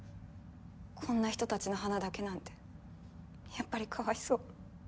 こんな人たちの花だけなんてやっぱりかわいそう。